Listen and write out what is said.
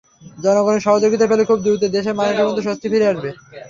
জনগণের সহযোগিতা পেলে খুব দ্রুত দেশের মানুষের মধ্যে স্বস্তি ফিরে আসবে।